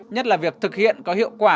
nhất là việc thực hiện có hiệu quả